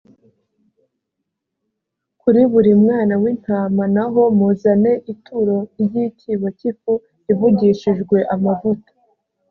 kuri buri mwana w’intama na ho, muzane ituro ry’icyibo cy’ifu ivugishijwe amavuta.